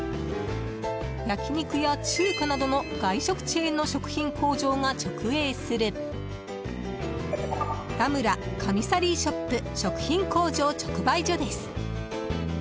焼き肉や中華などの外食チェーンの食品工場が直営するラムラカミサリーショップ食品工場直売所です。